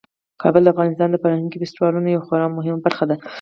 کابل د افغانستان د فرهنګي فستیوالونو یوه خورا مهمه برخه ده.